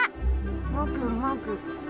もぐもぐ。